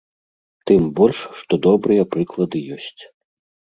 Тым больш што добрыя прыклады ёсць.